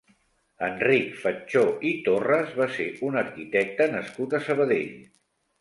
Enric Fatjó i Torras va ser un arquitecte nascut a Sabadell.